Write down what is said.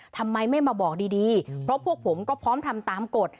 ทำไมไม่มาบอกดีเพราะพวกผมก็พร้อมทำตามกฎ